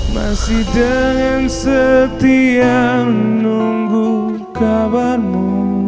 masih dengan setia menunggu kabarmu